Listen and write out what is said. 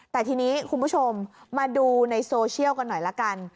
แต่ทีนี้คุณผู้ชมมาดูในโซเชียลกันหน่อยละกัน